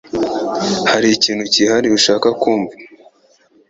Hari ikintu cyihariye ushaka kumva?